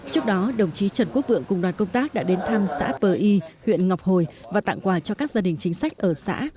trước đó đồng chí trần quốc vượng cùng đoàn công tác đã đến thăm xã bờ y huyện ngọc hồi và tặng quà cho các gia đình chính sách ở xã